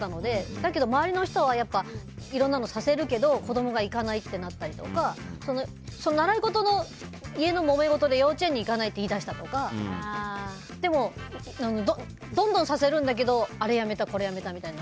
だけど周りの人はいろんなのさせるけど子供が行かないってなったり習い事の家の揉め事で幼稚園に行かないって言い出したとかでも、どんどんさせるんだけどあれやめた、これやめたみたいな。